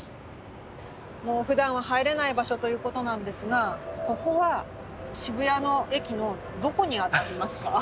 もうふだんは入れない場所ということなんですがここは渋谷の駅のどこにあたりますか？